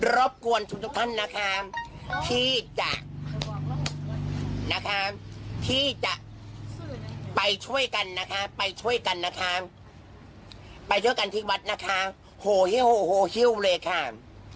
รบกวนทุกท่านนะคะที่จะไปช่วยกันโฮเฮ้วเลย๐๑